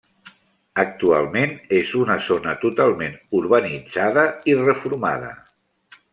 Actualment és una zona totalment urbanitzada i reformada.